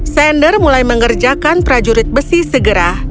sander mulai mengerjakan prajurit besi segera